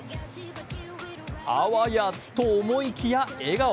あわやと思いきや笑顔。